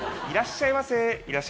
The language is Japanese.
「いらっしゃいませ」